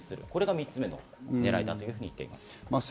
これが３つ目の狙いだというふうに言っています。